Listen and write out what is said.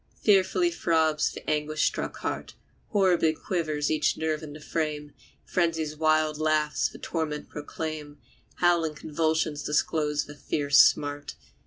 Fearfully throbs the anguish struck heart, Horribly quivers each nerve in the frame; Frenzy's wild laughs the torment proclaim, Howling convulsions disclose the fierce smart.